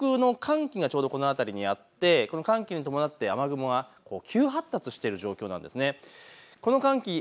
上空の寒気がこの辺りにあって寒気に伴って雨雲が急発達している状況なんです。